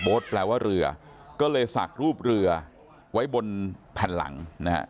แปลว่าเรือก็เลยสักรูปเรือไว้บนแผ่นหลังนะฮะ